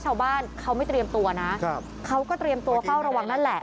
ชาวบ้านเขาไม่เตรียมตัวนะเขาก็เตรียมตัวเฝ้าระวังนั่นแหละ